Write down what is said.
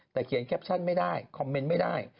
แต่เขียนแคปชั่นไม่ได้คอมเมนต์ไม่ได้